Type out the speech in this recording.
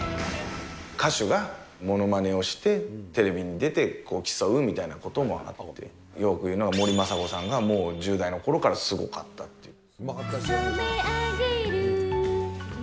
歌手がものまねをして、テレビに出て競うみたいなこともあって、よく言うのが森昌子さんがもう１０代のころからすごかったっていう。